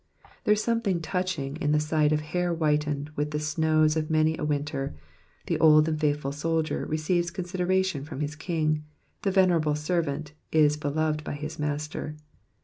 "*^ There is something touching in the sight of hair whitened with the snows of many a winter : the old and faithful soldier receives consideration from his king, the venerable servant is beloved by his master.